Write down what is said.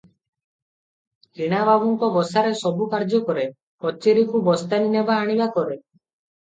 କିଣା ବାବୁଙ୍କ ବସାରେ ସବୁ କାର୍ଯ୍ୟ କରେ, କଚେରିକୁ ବସ୍ତାନି ନେବା ଆଣିବା କରେ ।